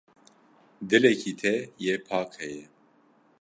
Dilekî te yê pak heye.